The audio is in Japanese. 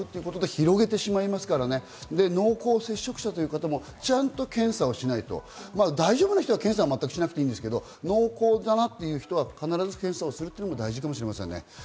濃厚接触者という方もちゃんと検査をしないと大丈夫な人は検査しなくてもいいんですけど、濃厚だなという人は必ず検査をするというのは大事かもしれませんね。